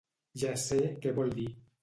Ja sé què vol dir.